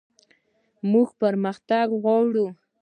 موږ پرمختګ غواړو